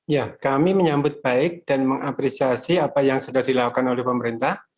ya kami menyambut baik dan mengapresiasi apa yang sudah dilakukan oleh pemerintah